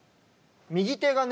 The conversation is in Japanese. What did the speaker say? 右手がね